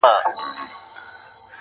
• هی توبه چي در ته غل د لاري مل سي-